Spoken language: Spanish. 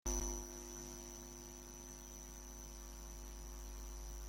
Delante del edificio hay una fuente de gran tamaño.